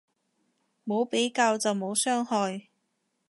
冇比較就冇傷害